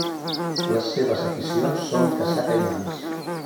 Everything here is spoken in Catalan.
Les seves aficions són caçar caimans.